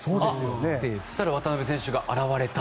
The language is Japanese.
そしたら渡邊選手が現れると。